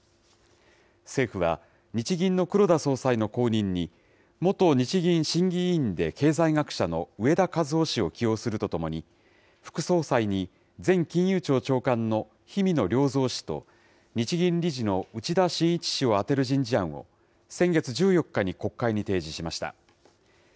政府は、日銀の黒田総裁の後任に、元日銀審議委員で経済学者の植田和男氏を起用するとともに、副総裁に前金融庁長官の氷見野良三氏と日銀理事の内田眞一氏を充てる人事案を先月１４日に国会に提示しました。